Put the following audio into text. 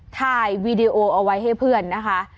ถ่ายวีดีโอเอาไว้ให้เพื่อนนะคะ